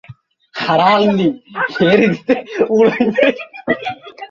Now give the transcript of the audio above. এতে বলা হয়, পুলিশের জন্য পৃথক পুলিশ বিভাগের দাবি অনেক দিনের।